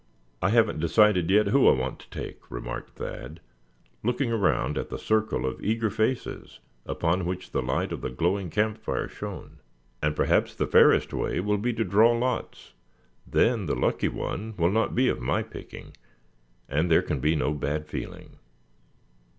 "I haven't decided yet who I want to take," remarked Thad, looking around at the circle of eager faces upon which the light of the glowing camp fire shone; "and perhaps the fairest way will be to draw lots, then the lucky one will not be of my picking; and there can be no bad feeling."